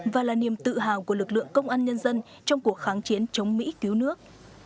và là niềm tự hào của lực lượng công an nhân dân trong cuộc kháng chiến chống mỹ cứu nước